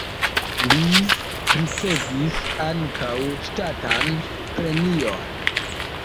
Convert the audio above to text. Li ricevis ankaŭ ŝtatan premion.